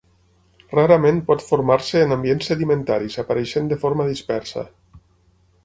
Rarament pot formar-se en ambients sedimentaris apareixent de forma dispersa.